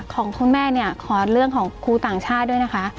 ของคุณแม่เนี่ยขอเรื่องของครูต่างชาติด้วยนะคะ